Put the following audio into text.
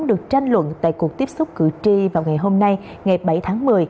được tranh luận tại cuộc tiếp xúc cử tri vào ngày hôm nay ngày bảy tháng một mươi